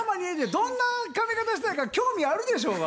どんな髪形したいか興味あるでしょうが。